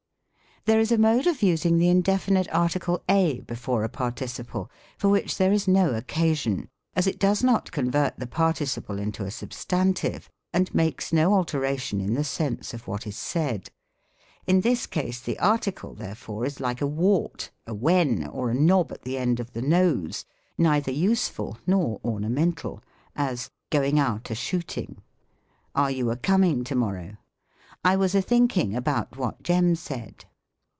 There is a mode of using the indefinite article a be fore a participle, for which there is no occasion, as it does not convert the participle into a substantive, and makes no alteration in the sense of what is said ; in this case the article, therefore, is like a wart, a wen, oi^ a knob at the end of the nose, neither useful nor orna mental: as, "Going out a shooting." "Are you a comins: to morrow?" "I was a thinking about what Jem said."